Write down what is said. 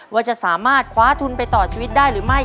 ว่าจะสามารถคว้าทุนไปต่อชีวิตได้หรือไม่